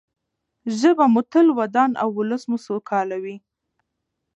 ژبه مو تل ودان او ولس مو سوکاله وي.